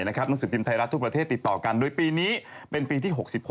หนังสือพิมพ์ไทยรัฐทุกประเทศติดต่อกันโดยปีนี้เป็นปีที่๖๖